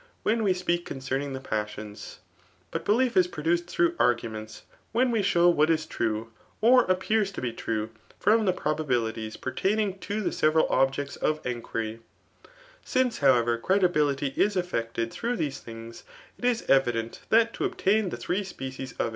When we speak coQcenaig the 'pasabns. But belief is piMfaked liiBougfa ' argumems, when we Aaw what w txWf or a{^ lobe true:from the probatnliiies pertaming to tHe il objects of' enquiry. Since, however, credibiiity is efiectisd through these things, it is evident that tabhtaia tbe diree species of.